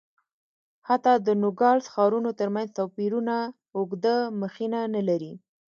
حتی د نوګالس ښارونو ترمنځ توپیرونه اوږده مخینه نه لري.